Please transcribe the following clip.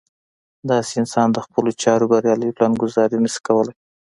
داسې انسان د خپلو چارو بريالۍ پلان ګذاري نه شي کولی.